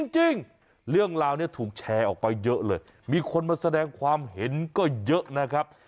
จริงเรื่องราวนี้ถูกแชร์ออกไปเยอะเลยมีคนมาแสดงความเห็นก็เยอะนะครับ